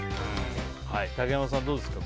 竹山さん、どうですか？